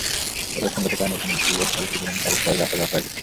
এর অবস্থানগত কারণে এখানে ভূ ও স্থল পরিবহনের মাধ্যমে সহজে আসা যাওয়া করা যেত।